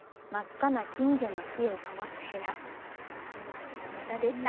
こちらの歌でした。